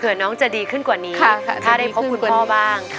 เพื่อน้องจะดีขึ้นกว่านี้ถ้าได้พบคุณพ่อบ้าง